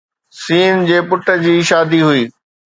س جي پٽ جي شادي هئي